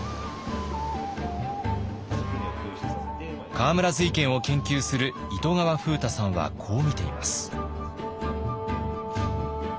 河村瑞賢を研究する糸川風太さんはこう見ています。